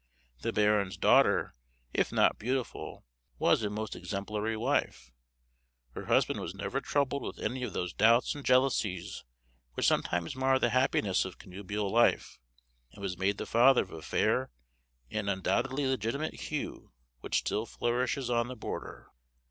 The baron's daughter, if not beautiful, was a most exemplary wife; her husband was never troubled with any of those doubts and jealousies which sometimes mar the happiness of connubial life, and was made the father of a fair and undoubtedly legitimate hue, which still flourishes on the border.